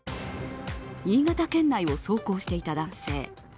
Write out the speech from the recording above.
新潟県内を走行していた男性。